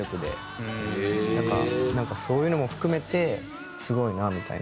なんかそういうのも含めてすごいなみたいな。